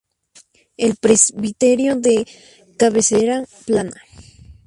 El presbiterio de cabecera plana.